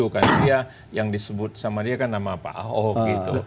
karena dia yang disebut sama dia kan nama apa ahoh gitu